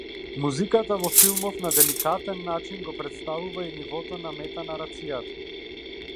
Музиката во филмов на деликатен начин го претставува и нивото на метанарацијата.